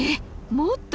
もっと？